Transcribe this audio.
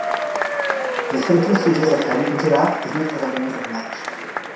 The sentence suggests that Angela is not as organized as Mike.